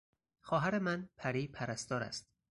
خواهر من پری پرستار است.